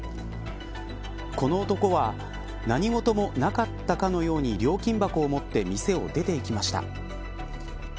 この男は何事もなかったかのように料金箱を持って店を出ていきました。